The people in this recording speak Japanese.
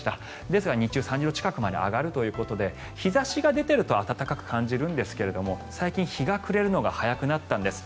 ですが、日中３０度近くまで上がるということで日差しが出ていると暖かく感じるんですが最近、日が暮れるのが早くなったんです。